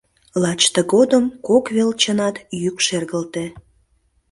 Лач тыгодым кок велчынат йӱк шергылте: